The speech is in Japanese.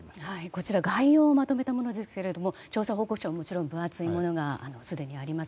こちら概要をまとめたものですけれども調査報告書はもちろん分厚いものがすでにあります。